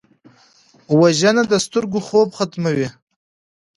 وژنه د سترګو خوب ختموي